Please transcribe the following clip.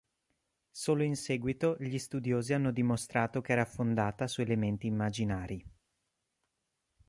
Solo in seguito gli studiosi hanno dimostrato che era fondata su elementi immaginari.